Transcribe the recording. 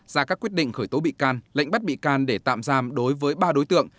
ra các quyết định khởi tố bị can lệnh bắt bị can để tạm giam đối với ba đối tượng